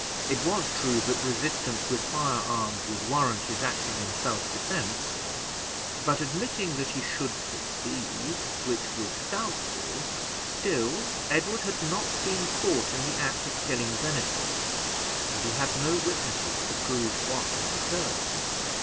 It was true, that resistance with firearms would warrant his acting in self defense; but admitting that he should succeed, which was doubtful, still Edward had not been caught in the act of killing venison, and he had no witnesses to prove what had occurred.